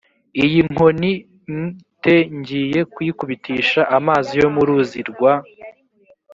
iyi nkoni m te ngiye kuyikubitisha amazi yo mu ruzi rwa